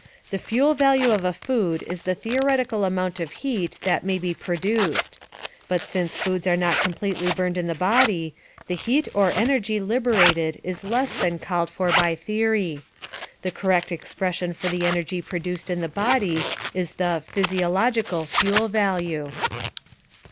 The fuel value of a food is the theoretical amount of heat that may be produced. But since foods are not completely burned in the body, the heat or energy liberated is less than called for by theory. The correct expression for the energy produced in the body is the physiological fuel value.